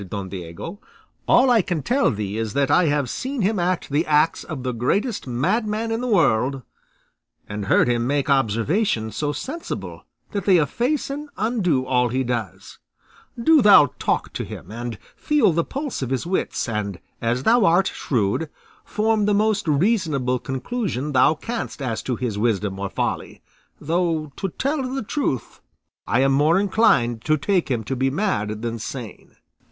Don Diego; "all I can tell thee is that I have seen him act the acts of the greatest madman in the world, and heard him make observations so sensible that they efface and undo all he does; do thou talk to him and feel the pulse of his wits, and as thou art shrewd, form the most reasonable conclusion thou canst as to his wisdom or folly; though, to tell the truth, I am more inclined to take him to be mad than sane."